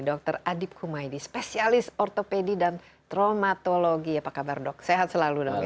dr adib kumaydi spesialis ortopedi dan traumatologi apa kabar dok sehat selalu dok